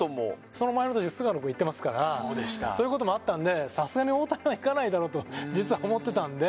その前の年に菅野君にいってますからそういうこともあったんでさすがに大谷はいかないだろうと実は思っていたので。